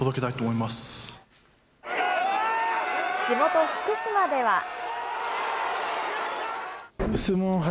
地元、福島では。